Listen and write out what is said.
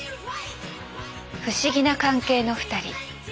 不思議な関係の２人。